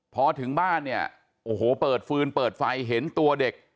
พอถึงบ้านเนี่ยโอ้โหเปิดฟืนเปิดไฟเห็นตัวเด็ก